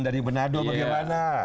dari benado bagaimana